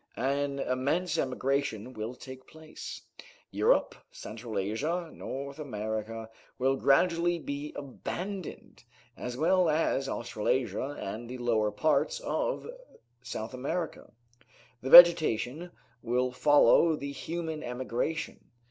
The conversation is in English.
An immense emigration will take place. Europe, Central Asia, North America, will gradually be abandoned, as well as Australasia and the lower parts of South America. The vegetation will follow the human emigration.